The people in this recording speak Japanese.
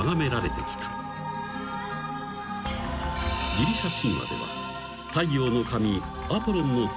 ［ギリシャ神話では］